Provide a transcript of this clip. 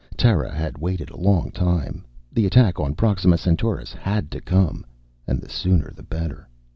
Terra had waited a long time. The attack on Proxima Centaurus had to come and the sooner the better.